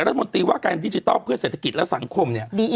รัฐมนตรีว่าการดิจิทัลเพื่อเศรษฐกิจและสังคมเนี่ย